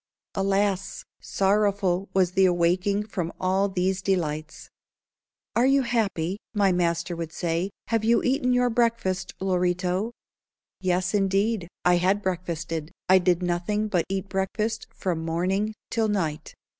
Alas! sorrowful was the awaking from all these delights. "Are you happy?" my master would say. "Have you eaten your breakfast, Lorito?" Yes, indeed, I had breakfasted. I did nothing but eat breakfast from morning till night.